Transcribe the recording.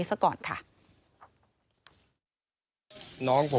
ถึงมาสอน